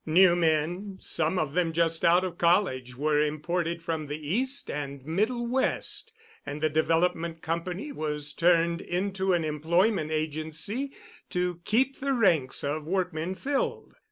New men, some of them just out of college, were imported from the East and Middle West, and the Development Company was turned into an employment agency to keep the ranks of workmen filled.